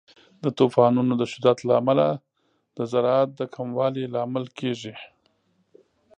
د طوفانونو د شدت له امله د زراعت د کموالي لامل کیږي.